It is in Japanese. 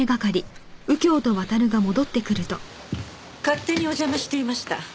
勝手にお邪魔していました。